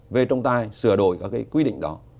về trọng tài sửa đổi các cái quy định đó